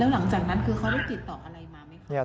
หลังจากนั้นคือเขาได้ติดต่ออะไรมาไหมคะ